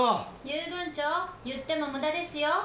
遊軍長言ってもムダですよ。